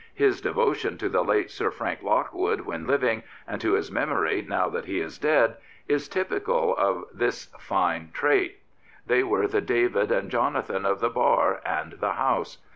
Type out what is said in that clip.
His devotion to the late Sir Frank Lockwood when living, and to his memory now that he is dead, is typical of this fine trait. They were the David and Jonathan of the Bar and the House.